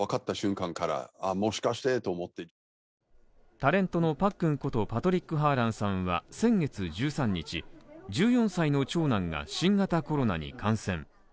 タレントのパックンことパトリック・ハーランさんは先月１３日、１４歳の長男が新型コロナに感染。